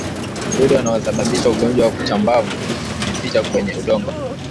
Wadudu wanaosababisha ugonjwa wa chambavu hujificha kwenye udongo